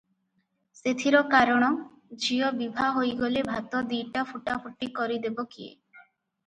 ସେଥିର କାରଣ, ଝିଅ ବିଭା ହୋଇ ଗଲେ ଭାତ ଦି'ଟା ଫୁଟାଫୁଟି କରି ଦେବ କିଏ?